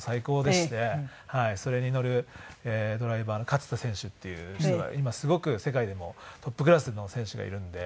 それに乗るドライバーの勝田選手っていう人が今すごく世界でもトップクラスの選手がいるんで。